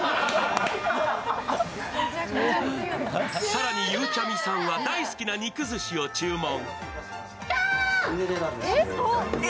さらにゆうちゃみさんは大好きな肉ずしを注文。